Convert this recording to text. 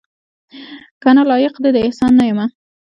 کنه لایق دې د احسان نه یمه